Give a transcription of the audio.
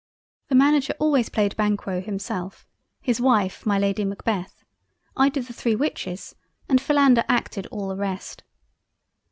The Manager always played Banquo himself, his Wife my Lady Macbeth. I did the Three Witches and Philander acted all the rest.